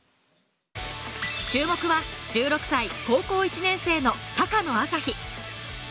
注目は１６歳高校１年生の坂野旭飛。